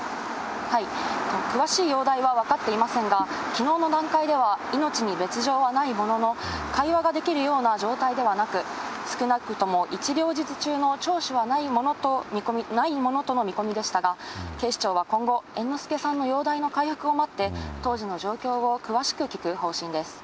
詳しい容体は分かっていませんが、きのうの段階では、命に別状はないものの、会話ができるような状態ではなく、少なくとも一両日中の聴取はないものとの見込みでしたが、警視庁は今後、猿之助さんの容体の回復を待って、当時の状況を詳しく聴く方針です。